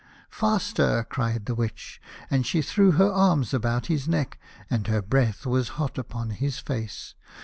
" Faster," cried the Witch, and she threw her arms about his neck, and her breath was hot upon his face.